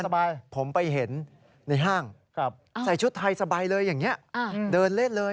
ผมไปเห็นในห้างใส่ชุดไทยสบายเลยอย่างนี้เดินเล่นเลย